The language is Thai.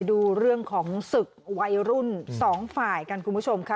ดูเรื่องของศึกวัยรุ่นสองฝ่ายกันคุณผู้ชมค่ะ